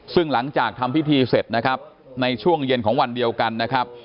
ซึ่งหลังจากทำพิธีเสร็จนะครับในช่วงเย็นของวันเดียวกันนะครับ